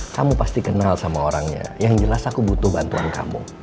kamu pasti kenal sama orangnya yang jelas aku butuh bantuan kamu